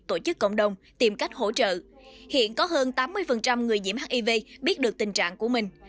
tổ chức cộng đồng tìm cách hỗ trợ hiện có hơn tám mươi người nhiễm hiv biết được tình trạng của mình